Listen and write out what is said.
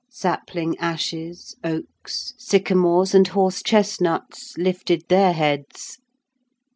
Sapling ashes, oaks, sycamores, and horse chestnuts, lifted their heads.